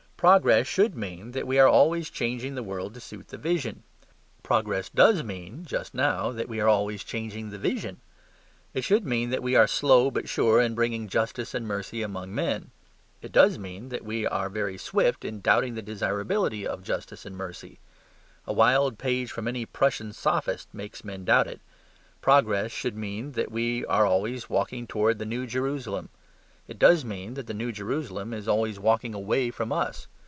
Progress should mean that we are always changing the world to suit the vision. Progress does mean (just now) that we are always changing the vision. It should mean that we are slow but sure in bringing justice and mercy among men: it does mean that we are very swift in doubting the desirability of justice and mercy: a wild page from any Prussian sophist makes men doubt it. Progress should mean that we are always walking towards the New Jerusalem. It does mean that the New Jerusalem is always walking away from us.